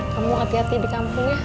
kamu hati hati di kampung ya